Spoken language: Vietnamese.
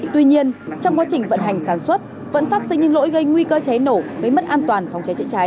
tuy nhiên trong quá trình vận hành sản xuất vẫn phát sinh những lỗi gây nguy cơ cháy nổ gây mất an toàn phòng cháy chữa cháy